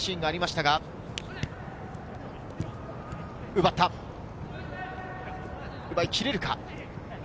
奪いきれるか。